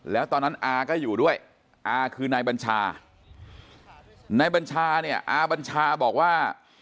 แล้วตอนนั้นอาก็อยู่ด้วยอาคือนายบัญชานายบัญชาเนี่ยอาบัญชาบอกว่า